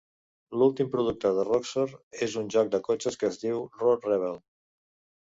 L'últim producte de Roxor és un joc de cotxes que es diu "Road Rebel".